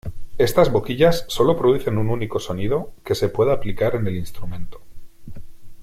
Estas boquillas sólo producen un único sonido que se pueda aplicar en el instrumento.